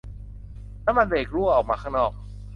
น้ำมันเบรกรั่วออกมาข้างนอก